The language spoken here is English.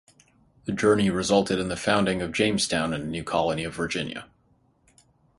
The journey resulted in the founding of Jamestown in the new Colony of Virginia.